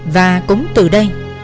và cũng từ đây